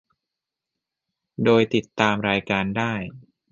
โดยติดตามรายการได้